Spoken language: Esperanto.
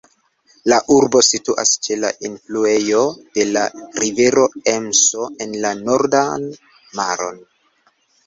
La urbo situas ĉe la enfluejo de la rivero Emso en la Nordan Maron.